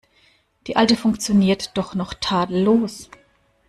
Die alte funktioniert doch noch tadellos.